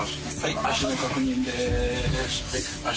足の確認です。